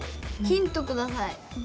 ヒントください。